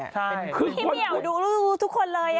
พี่เหมียวดูลูกทุกคนเลย